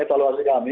kalau harus kami